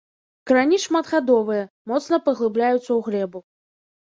Карані шматгадовыя, моцна паглыбляюцца ў глебу.